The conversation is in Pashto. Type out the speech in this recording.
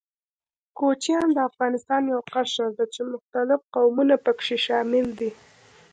کوچيان د افغانستان يو قشر ده، چې مختلف قومونه پکښې شامل دي.